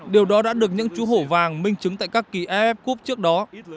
điều đó đã được những chú hổ vàng minh chứng tại các kỳ if cup trước đó